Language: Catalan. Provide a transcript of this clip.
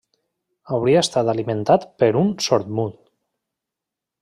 Hauria estat alimentat per un sordmut.